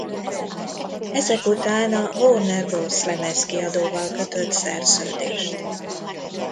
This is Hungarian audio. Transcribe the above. Ezek után a Warner Bros lemezkiadóval kötött szerződést.